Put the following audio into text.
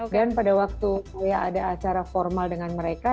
dan pada waktu saya ada acara formal dengan mereka